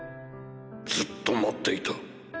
ずっと待っていた。